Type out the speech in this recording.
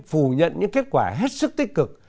phủ nhận những kết quả hết sức tích cực